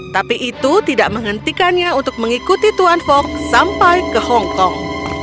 tapi itu tidak menghentikannya untuk mengikuti tuan fok sampai ke hongkong